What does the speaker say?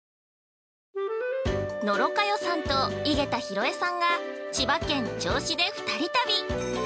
◆野呂佳代さんと井桁弘恵さんが千葉県・銚子で二人旅。